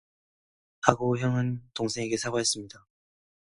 하고 형은 동생에게 사과했습니다.